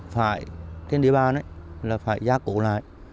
phải trên địa bàn là phải gia cổ lại